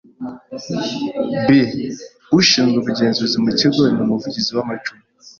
b. Ushinzwe ubugenzuzi mu ikigo ni umuvuzi w’amacumu